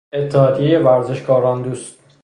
اتحادیهی ورزشکاران دوست